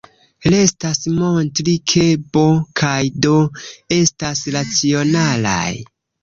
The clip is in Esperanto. Restas montri ke "b" kaj "d" estas racionalaj.